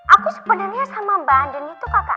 aku sebenernya sama mbak anding itu kakak adik